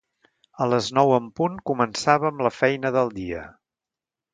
A les nou en punt començava amb la feina del dia.